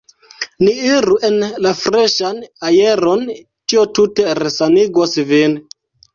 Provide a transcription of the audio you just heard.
Ni iru en la freŝan aeron, tio tute resanigos vin.